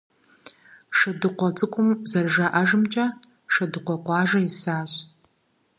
«Шэдыкъуэ цӀыкӀум», зэрыжаӀэжымкӀэ, Шэдыкъуэ къуажэ исащ.